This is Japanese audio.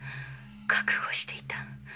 覚悟していた。